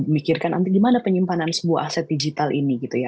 mikirkan nanti gimana penyimpanan sebuah aset digital ini gitu ya